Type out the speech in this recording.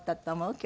今日。